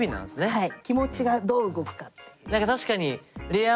はい。